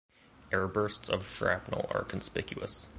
Air-bursts of shrapnel are conspicuous.